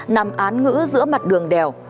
nằm án ngữ giữa mặt đường đèo